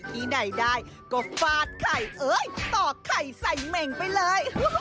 ที่ไหนได้ก็ฟาดไข่เอ้ยตอกไข่ใส่เหม่งไปเลย